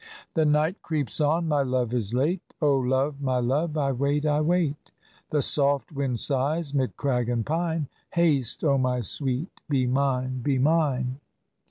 The night creeps on; my love is late, O love, my love, I wait, I wait; The soft wind sighs mid crag and pine; Haste, O my sweet; be mine, be mine!